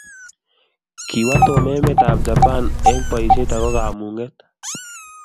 kiwo Tom emetab Japan eng boishet ago kamungeet